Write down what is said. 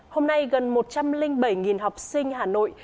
hôm nay gần một trăm linh bảy học sinh hà nội